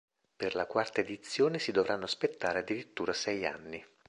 Per la quarta edizione si dovranno aspettare addirittura sei anni.